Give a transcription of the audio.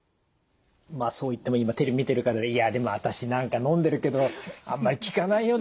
まあそう言っても今テレビ見てる方で「いやでも私なんかのんでるけどあんまり効かないような気がするのよね」